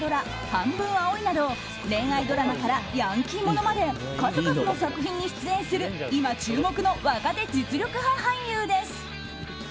「半分、青い。」など恋愛ドラマからヤンキーものまで数々の作品に出演する今注目の若手実力派俳優です。